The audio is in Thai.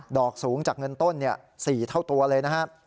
ดอกสูงจากเงินต้น๔เท่าตัวเลย